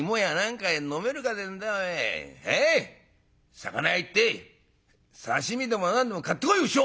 魚屋行って刺身でも何でも買ってこいよ畜生！」。